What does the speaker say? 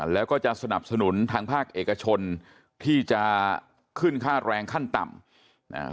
แล้วก็จะสนับสนุนทางภาคเอกชนที่จะขึ้นค่าแรงขั้นต่ำอ่า